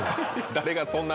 誰がそんなええ